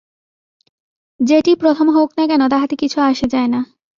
যেটিই প্রথম হউক না কেন, তাহাতে কিছু আসে যায় না।